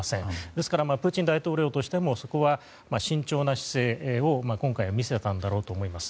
ですからプーチン大統領としてもそこは慎重な姿勢を今回は見せたんだろうと思います。